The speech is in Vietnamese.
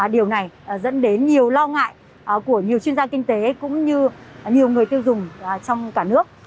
điều này dẫn đến nhiều lo ngại của nhiều chuyên gia kinh tế cũng như nhiều người tiêu dùng trong cả nước